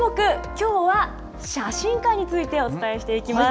きょうは写真館についてお伝えしていきます。